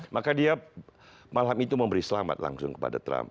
maka dia malam itu memberi selamat langsung kepada trump